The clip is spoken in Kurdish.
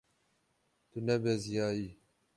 Tu nebeziyayî.